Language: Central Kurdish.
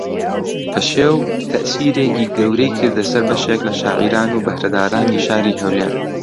پەشێو تەئسیرێکی گەورەی کردە سەر بەشێک لە شاعیران و بەھرەدارانی شاری ھەولێر